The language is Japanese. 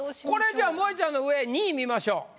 これじゃあもえちゃんの上２位見ましょう。